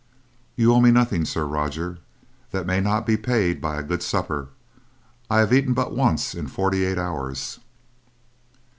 "You owe me nothing, Sir Roger, that may not be paid by a good supper. I have eaten but once in forty eight hours."